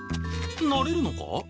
なれるのか？